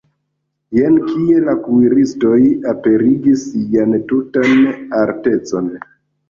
Jen kie la kuiristoj aperigis sian tutan artecon!